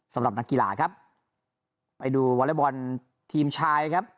สำหรับนักกีฬาครับไปดูวอเล็กบอลทีมชายครับ